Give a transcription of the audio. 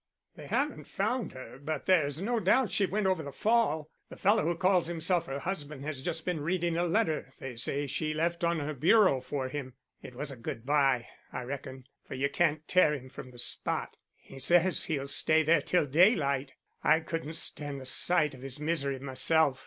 "They haven't found her; but there's no doubt she went over the fall. The fellow who calls himself her husband has just been reading a letter they say she left on her bureau for him. It was a good by, I reckon, for you can't tear him from the spot. He says he'll stay there till daylight. I couldn't stand the sight of his misery myself.